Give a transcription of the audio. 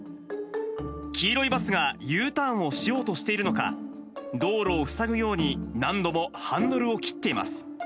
黄色いバスがＵターンをしようとしているのか、道路を塞ぐように何度もハンドルを切っています。